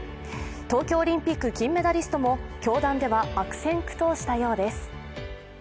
東京オリンピック金メダリストも教壇では悪戦苦闘したようです。